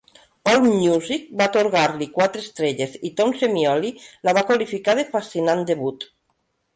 Allmusic va atorgar-li quatre estrelles, i Tom Semioli la va qualificar de "fascinant debut".